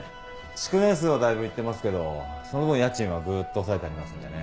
築年数はだいぶ行ってますけどその分家賃はぐっと抑えてありますんでね。